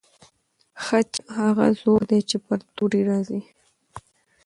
خج هغه زور دی چې پر توري راځي.